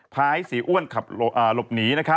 พาให้เสียอ้วนขับหลบหนีนะครับ